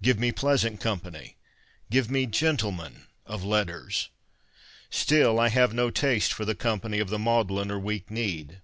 Give me pleasant company. Give me gentlemen of letters. Still, I have no taste for the company of the maudlin or weak kneed.